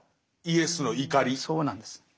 そうなんです。